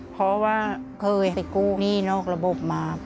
เพราะว่าเคยให้กู้หนี้นอกระบบมา